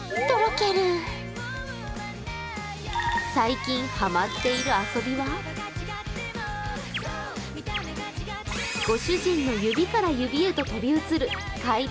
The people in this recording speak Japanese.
最近はまっている遊びはご主人の指から指へと飛び移る、階段